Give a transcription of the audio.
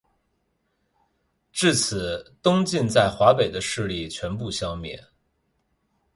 至此东晋在华北的势力全部消灭。